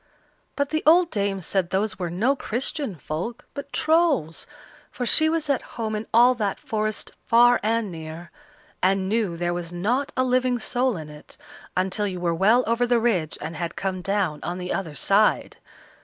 But the old dame said those were no Christian folk, but Trolls, for she was at home in all that forest far and near, and knew there was not a living soul in it, until you were well over the ridge and had come down on the other side.